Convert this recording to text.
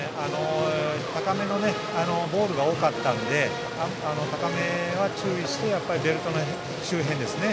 高めのボールが多かったので高めは、注意してベルトの周辺ですね